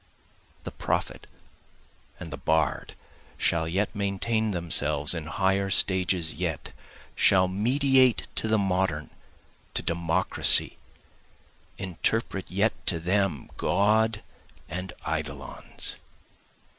The prophet and the bard, Shall yet maintain themselves, in higher stages yet, Shall mediate to the Modern, to Democracy, interpret yet to them, God and eidolons.